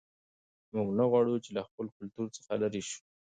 موږ نه غواړو چې له خپل کلتور څخه لیرې سو.